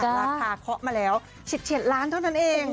ราคาเคาะมาแล้ว๑๗ล้านเท่านั้นเอง